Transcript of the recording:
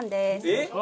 えっ？